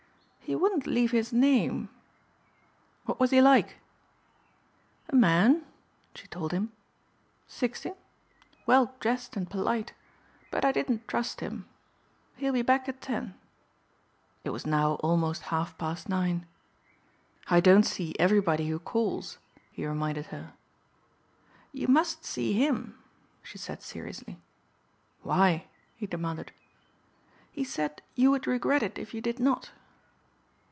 "He wouldn't leave his name." "What was he like?" "A man," she told him, "sixty. Well dressed and polite but I didn't trust him. He'll be back at ten." It was now almost half past nine. "I don't see everybody who calls," he reminded her. "You must see him," she said seriously. "Why?" he demanded. "He said you would regret it if you did not."